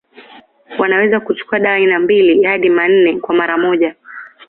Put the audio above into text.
Wanaweza kuchukua dawa aina mbili hadi manne kwa mara moja